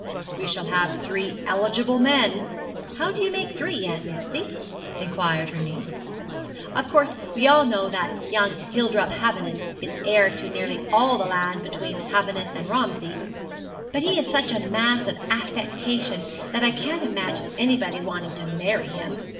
'We shall have three eligible men.' 'How do you make three, Aunt Betsy?' inquired her niece. 'Of course we all know that young Hildrop Havenant is heir to nearly all the land between Havenant and Romsey; but he is such a mass of affectation that I can't imagine anybody wanting to marry him.